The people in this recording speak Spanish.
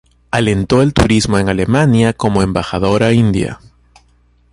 Alentó el turismo en Alemania como embajadora india.